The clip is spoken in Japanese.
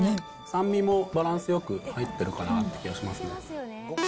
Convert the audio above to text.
酸味もバランスよく入ってるかなって気がしますね。